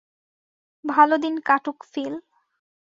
ভালো দিন কাটুক, ফিল।